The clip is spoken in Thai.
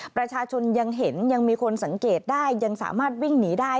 ประชาชนยังเห็นยังมีคนสังเกตได้ยังสามารถวิ่งหนีได้